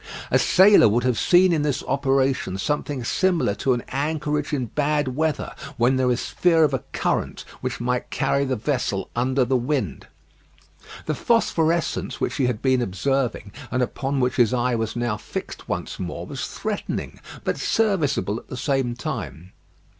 A sailor would have seen in this operation something similar to an anchorage in bad weather, when there is fear of a current which might carry the vessel under the wind. The phosphorescence which he had been observing, and upon which his eye was now fixed once more, was threatening, but serviceable at the same time.